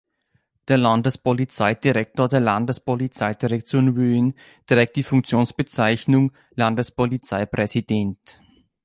Der Landespolizeidirektor der Landespolizeidirektion Wien trägt die Funktionsbezeichnung „Landespolizeipräsident“.